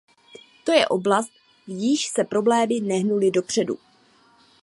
To je oblast, v níž se problémy nehnuly dopředu.